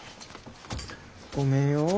ごめんよ。